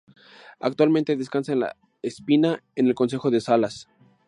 Actualmente descansa en La Espina, en el concejo de Salas.